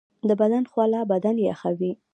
د بدن خوله بدن یخوي